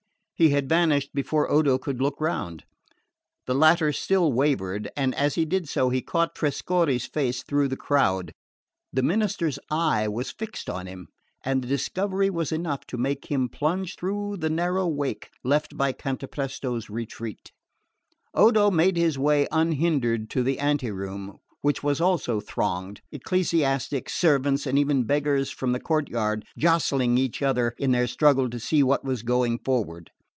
He had vanished before Odo could look round. The latter still wavered; but as he did so he caught Trescorre's face through the crowd. The minister's eye was fixed on him; and the discovery was enough to make him plunge through the narrow wake left by Cantapresto's retreat. Odo made his way unhindered to the ante room, which was also thronged, ecclesiastics, servants and even beggars from the courtyard jostling each other in their struggle to see what was going forward.